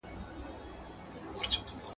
• د صبر کاسه درنه ده.